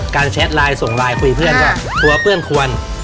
แชทไลน์ส่งไลน์คุยเพื่อนก็กลัวเพื่อนควร